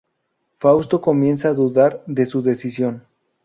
Fausto comienza a dudar de su decisión.